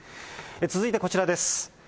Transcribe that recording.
続いてこちらです。